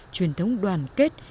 truyền thống đoàn kết